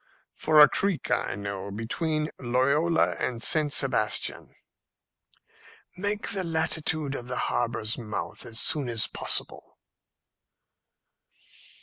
"For a creek I know, between Loyola and St. Sebastian." "Make the latitude of the harbour's mouth as soon as possible."